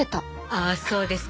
あそうですか。